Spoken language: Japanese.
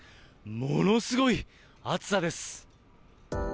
ものすごい暑さです。